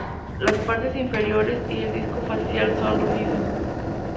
Las partes inferiores y el disco facial son rojizos.